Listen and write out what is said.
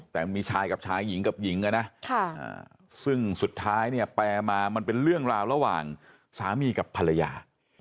แต่มีชายกับชายหญิงกับหญิงนะซึ่งสุดท้ายเนี่ยแปลมามันเป็นเรื่องราวระหว่างสามีกับภรรยา